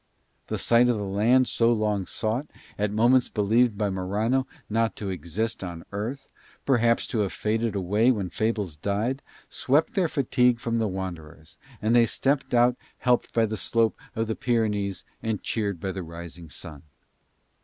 The sight of the land so long sought, at moments believed by Morano not to exist on earth, perhaps to have faded away when fables died, swept their fatigue from the wanderers, and they stepped out helped by the slope of the Pyrenees and cheered by the rising sun.